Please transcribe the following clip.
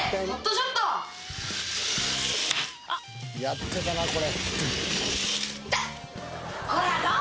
やってたなこれ。